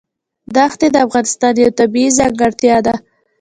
ښتې د افغانستان یوه طبیعي ځانګړتیا ده.